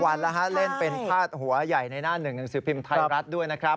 วันแล้วฮะเล่นเป็นพาดหัวใหญ่ในหน้าหนึ่งหนังสือพิมพ์ไทยรัฐด้วยนะครับ